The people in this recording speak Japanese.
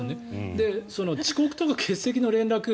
遅刻とか欠席の連絡